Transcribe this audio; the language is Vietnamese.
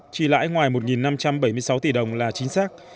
trì lãi ngoài một năm trăm bảy mươi sáu tỷ đồng là chính xác